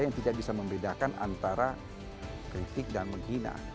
yang tidak bisa membedakan antara kritik dan menghina